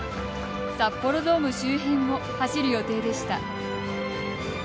札幌ドーム周辺を走る予定でした。